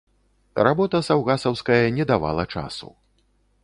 Работа саўгасаўская не давала часу.